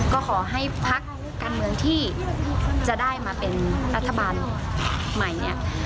ก็ขอให้พักการเมืองที่จะได้มาเป็นรัฐบาลใหม่เนี่ย